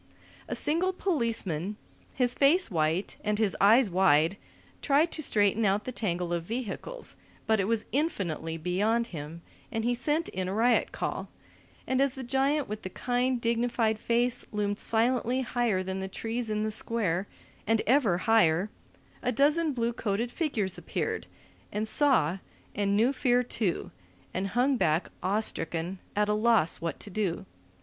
A single policeman, his face white and his eyes wide, tried to straighten out the tangle of vehicles, but it was infinitely beyond him and he sent in a riot call; and as the giant with the kind, dignified face loomed silently higher than the trees in the Square, and ever higher, a dozen blue coated figures appeared, and saw, and knew fear too, and hung back awe stricken, at a loss what to do.